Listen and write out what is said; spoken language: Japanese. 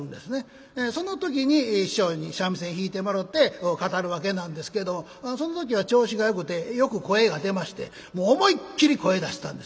その時に師匠に三味線弾いてもろうて語るわけなんですけどその時は調子がよくてよく声が出まして思いっきり声出したんですね。